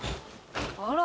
あら！